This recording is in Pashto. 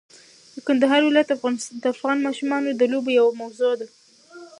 د کندهار ولایت د افغان ماشومانو د لوبو یوه موضوع ده.